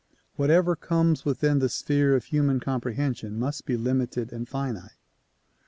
Whatever comes within the sphere of human comprehension must be limited and finite.